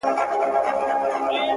زما ياران اوس په دې شكل سـوله،